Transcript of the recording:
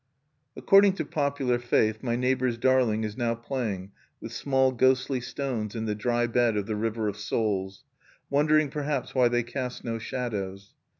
According to popular faith, my neighbor's darling is now playing with small ghostly stones in the Dry Bed of the River of Souls, wondering, perhaps, why they cast no shadows.